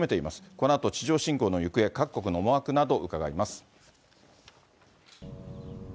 このあと地上侵攻の行方、各国の思惑など伺います。